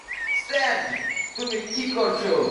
স্ট্যান, তুমি কী করছ?